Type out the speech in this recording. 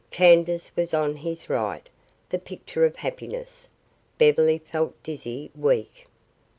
Candace was on his right, the picture of happiness. Beverly felt dizzy, weak.